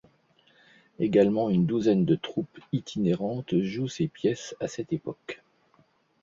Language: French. Également, une douzaine de troupes itinérantes jouent ses pièces à cette époque.